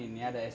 ini ada es bakso